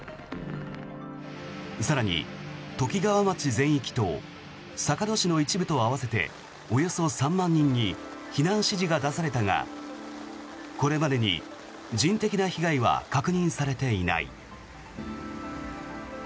更に、ときがわ町全域と坂戸市の一部と合わせておよそ３万人に避難指示が出されたがこれまでに人的な被害は確認されていない。